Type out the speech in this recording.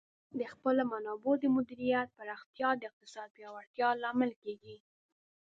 د خپلو منابعو د مدیریت پراختیا د اقتصاد پیاوړتیا لامل کیږي.